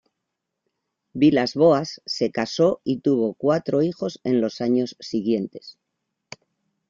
Vilas-Boas se casó y tuvo cuatro hijos en los años siguientes.